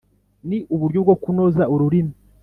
ni uburyo bwo kunoza ururimi